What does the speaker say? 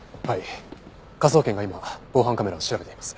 科捜研が今防犯カメラを調べています。